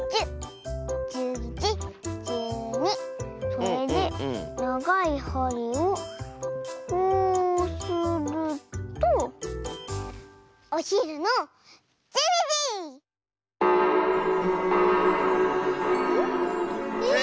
それでながいはりをこうするとおひるの１２じ！え？